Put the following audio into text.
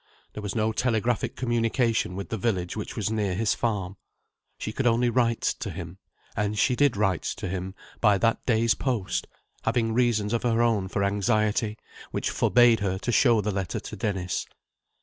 There was no telegraphic communication with the village which was near his farm. She could only write to him, and she did write to him, by that day's post having reasons of her own for anxiety, which forbade her to show her letter to Dennis.